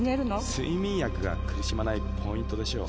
「睡眠薬が苦しまないポイントでしょう」